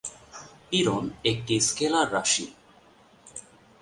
পীড়ন একটি স্কেলার রাশি।